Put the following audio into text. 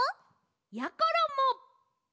やころも！